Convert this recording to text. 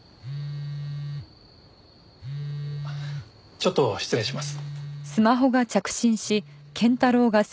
ちょっと失礼します。